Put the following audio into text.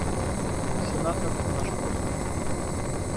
Сенатор – наш гость.